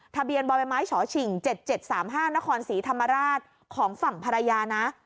ทะเบียนบ่อยไม้ไม้ฉอฉิ่งเจ็ดเจ็ดสามห้านครศรีธรรมราชของฝั่งภรรยานะ